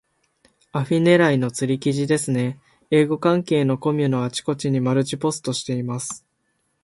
アフィ狙いの釣り記事ですね。英語関係のコミュのあちこちにマルチポストしています。